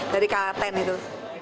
dari k sepuluh itu